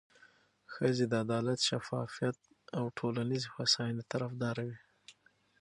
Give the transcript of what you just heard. ښځې د عدالت، شفافیت او ټولنیزې هوساینې طرفداره وي.